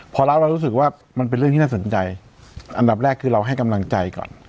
พอรับเรารู้สึกว่ามันเป็นเรื่องที่น่าสนใจอันดับแรกคือเราให้กำลังใจก่อน